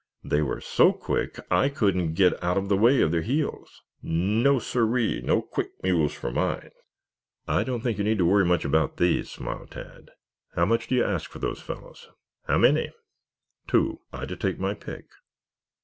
"They were so quick I couldn't get out of the way of their heels. No, siree, no quick mules for mine." "I don't think you need worry much about these," smiled Tad. "How much do you ask for those fellows?" "How many?" "Two. I to take my pick."